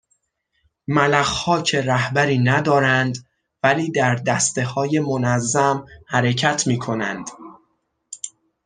ملخها که رهبری ندارند ولی در دستههای منظم حرکت میکنند